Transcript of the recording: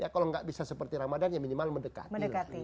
kalau nggak bisa seperti ramadan ya minimal mendekati